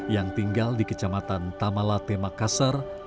yang tinggal di kecamatan tamala temakasar